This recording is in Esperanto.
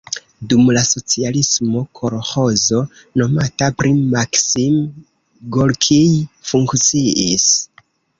Dum la socialismo kolĥozo nomata pri Maksim Gorkij funkciis.